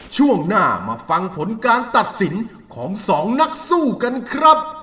ช่วงหน้ามาฟังผลการตัดสินของสองนักสู้กันครับ